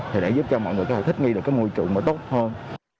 thì để giúp cho mọi người có thể thích nghi được cái môi trường mới tốt hơn